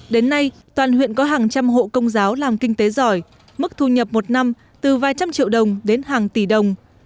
đến nay toàn huyện có hàng trăm hộ công giáo làm kinh tế giỏi mức thu nhập một năm từ vài trăm triệu đồng đến hàng tỷ đồng